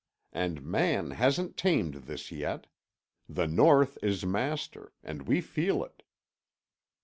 And man hasn't tamed this yet. The North is master—and we feel it."